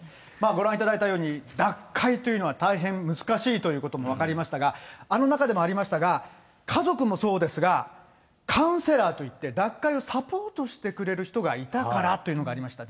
ご覧いただいたように、脱会というのは大変難しいということも分かりましたが、あの中でもありましたが、家族もそうですが、カウンセラーといって、脱会をサポートしてくれる人がいたからというのがありました。